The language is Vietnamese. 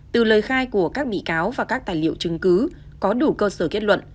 từ lời khai của các bị cáo và các tài liệu chứng cứ có đủ cơ sở kết luận